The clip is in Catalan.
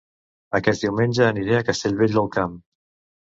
Aquest diumenge aniré a Castellvell del Camp